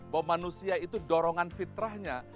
bahwa manusia itu dorongan fitrahnya